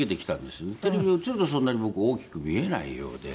テレビに映るとそんなに僕大きく見えないようで。